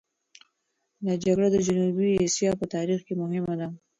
دا جګړه د جنوبي اسیا په تاریخ کې مهمه ده.